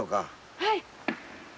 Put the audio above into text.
はい。